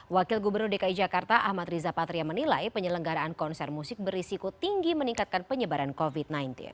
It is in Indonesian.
wakil gubernur dki jakarta ahmad riza patria menilai penyelenggaraan konser musik berisiko tinggi meningkatkan penyebaran covid sembilan belas